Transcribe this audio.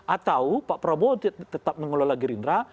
atau pak prabowo tetap mengelola gerindra